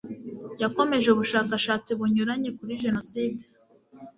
yakomeje ubushakashatsi bunyuranye kuri Jenoside